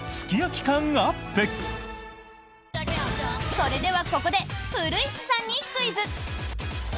それではここで古市さんにクイズ！